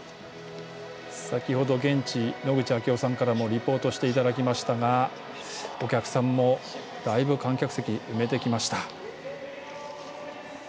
先ほど現地、野口啓代さんからもリポートしていただきましたがお客さんもだいぶ観客席埋めてきました。